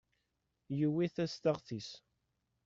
Yuwi tastaɣt-is.